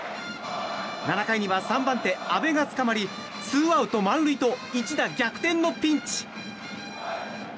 ７回には３番手、阿部が捕まりツーアウト満塁と一打逆転のピンチ。